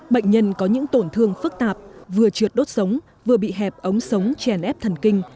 bệnh nhân có những tổn thương phức tạp vừa trượt đốt sống vừa bị hẹp ống sống chèn ép thần kinh